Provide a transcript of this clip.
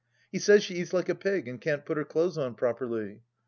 He says she eats like a pig, and can't put her clothes on properly.